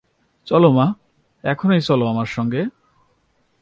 চলো মা, এখনই চলো আমার সঙ্গে।